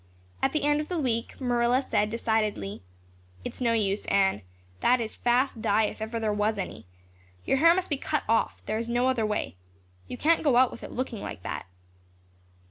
At the end of the week Marilla said decidedly: "It's no use, Anne. That is fast dye if ever there was any. Your hair must be cut off; there is no other way. You can't go out with it looking like that."